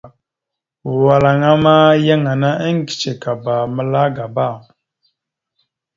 Walŋa ma, yan ana iŋgəcekaba məla agaba.